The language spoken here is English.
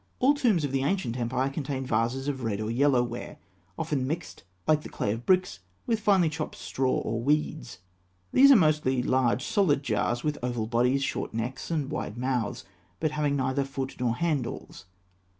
All tombs of the ancient empire contain vases of a red or yellow ware, often mixed, like the clay of bricks, with finely chopped straw or weeds. These are mostly large solid jars with oval bodies, short necks, and wide mouths, but having neither foot nor handles.